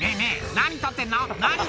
何撮ってんの？」